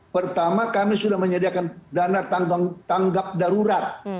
pertama kami sudah menyediakan dana tanggap darurat